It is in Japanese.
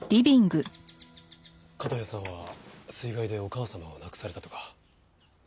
門谷さんは水害でお母様を亡くされたとか。